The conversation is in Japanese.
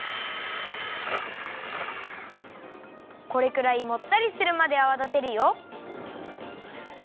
これくらいもったりするまであわだてるよ。